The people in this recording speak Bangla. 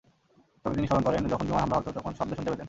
তবে তিনি স্মরণ করেন, যখন বিমান হামলা হতো, তখন শব্দ শুনতে পেতেন।